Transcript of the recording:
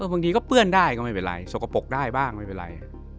บางทีก็เปื้อนได้ก็ไม่เป็นไรสกปรกได้บ้างไม่เป็นไร